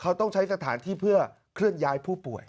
เขาต้องใช้สถานที่เพื่อเคลื่อนย้ายผู้ป่วย